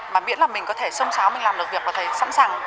mà miễn là mình có thể sông sáo mình làm được việc là thầy sẵn sàng